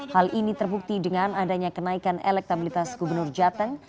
hal ini terbukti dengan adanya kenaikan elektabilitas gubernur jateng